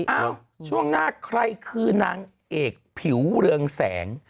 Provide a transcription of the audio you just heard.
เอ้าช่วงหน้าใครคือนางเอกผิวเรืองแสง